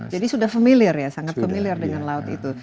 jadi sudah familiar ya sangat familiar dengan laut itu